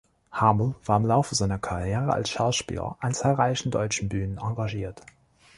Hamel war im Laufe seiner Karriere als Schauspieler an zahlreichen deutschen Bühnen engagiert.